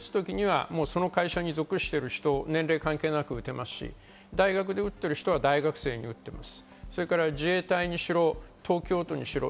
でも職域で打つ時にはその会社に属している人、年齢関係なく打てますし、大学で打っている人は大学生に打っています。